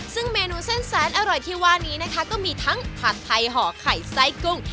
ซึ่งเมนูเส้นแสนอร่อยที่ว่านี้นะคะก็มีทั้งผัดไทยห่อไข่ไส้กุ้ง